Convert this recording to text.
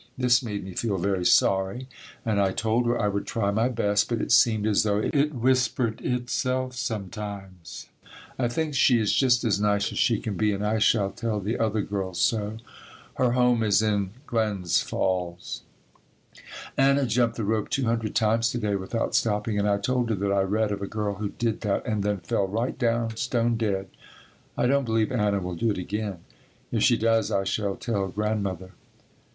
This made me feel very sorry and I told her I would try my best, but it seemed as though it whispered itself sometimes. I think she is just as nice as she can be and I shall tell the other girls so. Her home is in Glens Falls. Anna jumped the rope two hundred times to day without stopping, and I told her that I read of a girl who did that and then fell right down stone dead. I don't believe Anna will do it again. If she does I shall tell Grandmother.